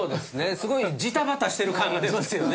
すごいジタバタしてる感が出ますよね。